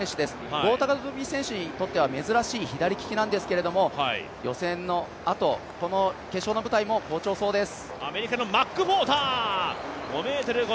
棒高跳選手にとっては珍しい左利きなんですけど予選のあと、この決勝の舞台も好調そうです。